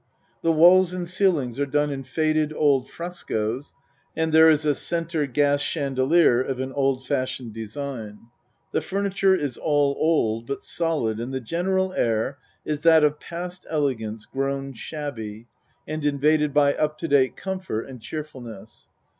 The walls and ceilings are done in faded, old frescoes and there is a C. gas chandelier of an old fashioned design. The furniture is all old, but solid and the gen eral air is that of past elegance grown shabby and invaded by up to date comfort and cheerfulness.